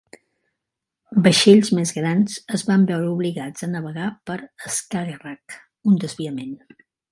Vaixells més grans es van veure obligats a navegar per Skagerrak, un desviament.